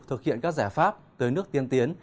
thực hiện các giải pháp tới nước tiên tiến